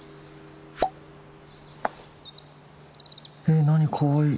えっ何かわいい。